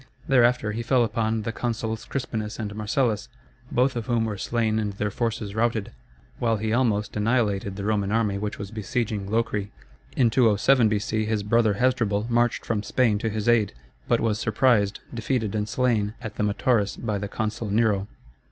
Thereafter, he fell upon the consuls Crispinus and Marcellus, both of whom were slain and their forces routed, while he almost annihilated the Roman army which was besieging Locri. In 207 B.C. his brother Hasdrubal marched from Spain to his aid, but was surprised, defeated, and slain at the Metaurus by the consul Nero.